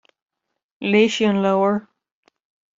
Léigh sí an leabhar.